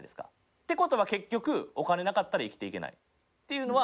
ってことは結局、お金なかったら生きていけないっていうのは。